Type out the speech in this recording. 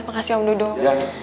makasih om dudung